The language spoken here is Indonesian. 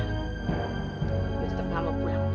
kamu tetap pulang